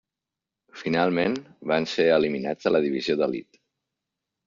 Finalment, van ser eliminats de la divisió d'elit.